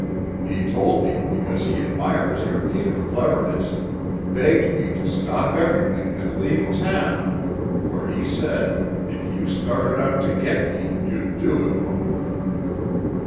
He told me because he admires your native cleverness—begged me to stop everything and leave town, for, he said, if you started out to get me you'd do it."